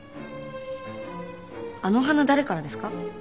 あの花誰からですか？